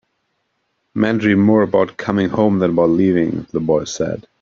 "Men dream more about coming home than about leaving," the boy said.